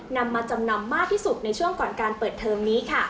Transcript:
นำมาจำนำมากที่สุดในช่วงก่อนการเปิดเทอมนี้ค่ะ